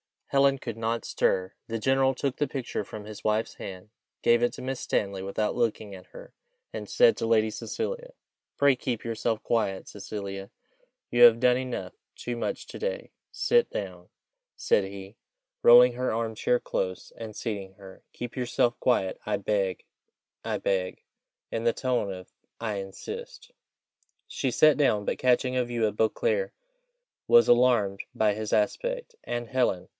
Helen could not stir. The general took the picture from his wife's hand, gave it to Miss Stanley, without looking at her, and said to Lady Cecilia, "Pray keep yourself quiet, Cecilia. You have done enough, too much to day; sit down," said he, rolling her arm chair close, and seating her. "Keep yourself quiet, I beg." "I beg," in the tone of "I insist." She sat down, but catching a view of Beauclerc was alarmed by his aspect and Helen!